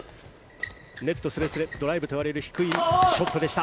ネットすれすれドライブと呼ばれる低いショットでした。